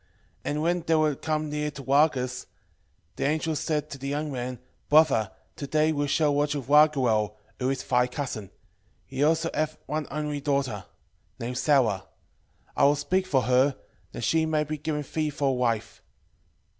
6:9 And when they were come near to Rages, 6:10 The angel said to the young man, Brother, to day we shall lodge with Raguel, who is thy cousin; he also hath one only daughter, named Sara; I will speak for her, that she may be given thee for a wife.